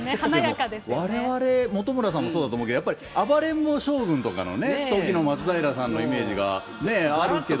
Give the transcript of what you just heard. でも、われわれ、本村さんもそうだと思うけど、暴れん坊将軍のときの松平さんのイメージがね、あるけど。